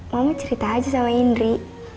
mama cerita aja sama indri